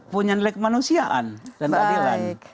punya nilai kemanusiaan dan keadilan